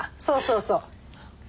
そうそうそう。